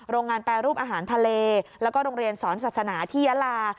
โรงงานแปรรูปอาหารทะเลแล้วก็โรงเรียนสอนศาสนาที่ยาลา